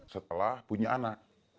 setelah punya anak